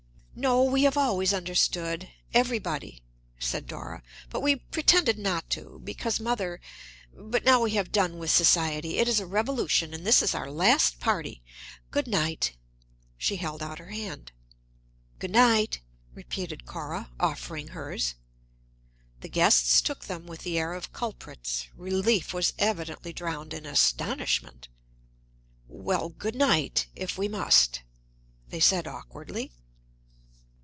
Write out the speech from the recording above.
"No; we have always understood everybody," said Dora, "but we pretended not to, because mother But now we have done with society. It is a revolution, and this is our last party. Good night." She held out her hand. "Good night," repeated Cora, offering hers. The guests took them with the air of culprits; relief was evidently drowned in astonishment. "Well, good night if we must," they said awkwardly.